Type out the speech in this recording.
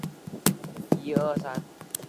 藤原丽子